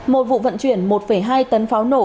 một vụ vận chuyển một hai tấn pháo nổ